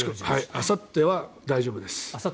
あさっては大丈夫です。